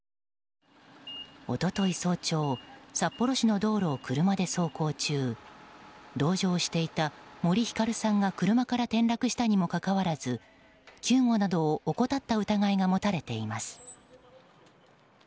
一昨日早朝札幌市の道路を車で走行中同乗していた森ひかるさんが車から転落したにもかかわらず救護などを怠った疑いが持たれています。